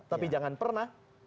tapi jangan pernah